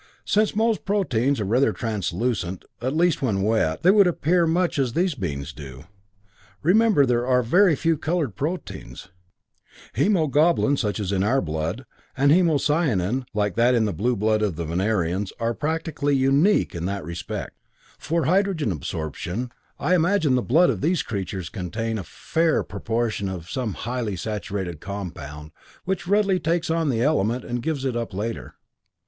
Since most proteins are rather translucent, at least when wet, they would appear much as these beings do. Remember, there are very few colored proteins. Hemoglobin, such as in our blood, and hemocyanin, like that in the blue blood of the Venerians, are practically unique in that respect. For hydrogen absorption, I imagine the blood of these creatures contains a fair proportion of some highly saturated compound, which readily takes on the element, and gives it up later.